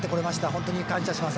本当に感謝します。